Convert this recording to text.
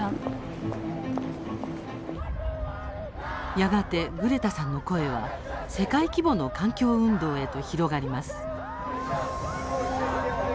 やがて、グレタさんの声は世界規模の環境運動へと広がります。